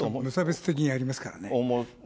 無差別的にやりますからね。